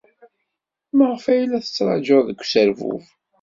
Maɣef ay la tettṛajud deg userbub?